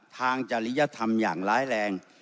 จริยธรรมอย่างร้ายแรง